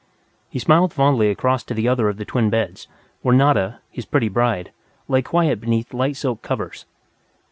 He smiled fondly across to the other of the twin beds, where Nada, his pretty bride, lay quiet beneath light silk covers.